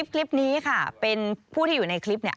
คลิปนี้ค่ะเป็นผู้ที่อยู่ในคลิปเนี่ย